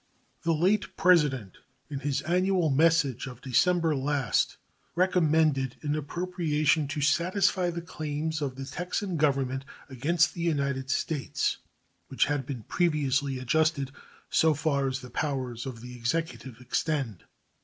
The late President, in his annual message of December last, recommended an appropriation to satisfy the claims of the Texan Government against the United States, which had been previously adjusted so far as the powers of the Executive extend.